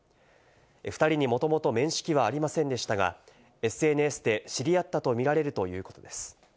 ２人にもともと面識はありませんでしたが、ＳＮＳで知り合ったとみられるということです。